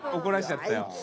怒らしちゃったよ。